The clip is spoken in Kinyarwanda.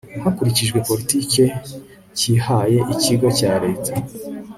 hakurikijwe politiki cyihaye ikigo cya leta